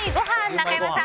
中山さん